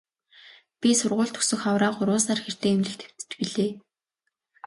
Би сургууль төгсөх хавраа гурван сар хэртэй эмнэлэгт хэвтэж билээ.